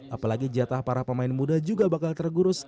apalagi jatah para pemain muda juga bakal tergurus